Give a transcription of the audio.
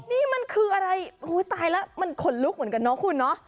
นี่มันคืออะไรตายแล้วมันขนลุกเหมือนกันเนาะคุณเนาะ